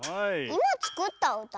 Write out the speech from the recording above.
いまつくったうた？